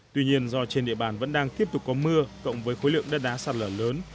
tuy nhiên do trên địa bàn vẫn đang tiếp tục có mưa cộng với khối lượng đất đá sạt lở lớn